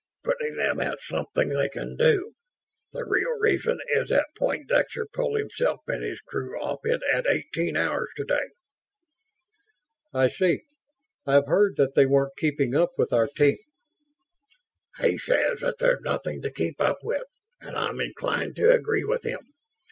"Putting them at something they can do. The real reason is that Poindexter pulled himself and his crew off it at eighteen hours today." "I see. I've heard that they weren't keeping up with our team." "He says that there's nothing to keep up with, and I'm inclined to agree with him."